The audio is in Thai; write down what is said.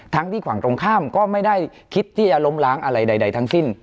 ที่ฝั่งตรงข้ามก็ไม่ได้คิดที่จะล้มล้างอะไรใดทั้งสิ้น